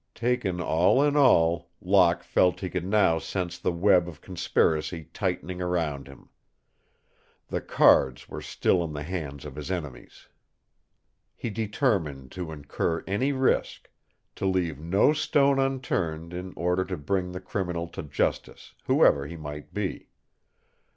Taken all in all, Locke felt he could now sense the web of conspiracy tightening around him. The cards were still in the hands of his enemies. He determined to incur any risk, to leave no stone unturned in order to bring the criminal to justice, whoever he might be.